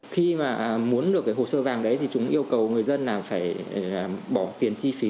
khi mà muốn được cái hồ sơ vàng đấy thì chúng yêu cầu người dân là phải bỏ tiền chi phí